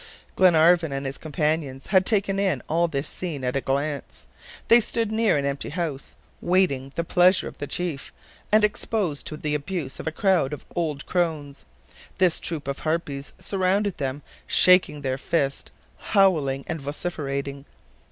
Glenarvan and his companions had taken in all this scene at a glance. They stood near an empty house, waiting the pleasure of the chief, and exposed to the abuse of a crowd of old crones. This troop of harpies surrounded them, shaking their fists, howling and vociferating.